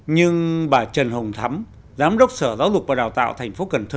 nhưng bà trần hồng thắm giám đốc sở giáo dục và đào tạo tp cn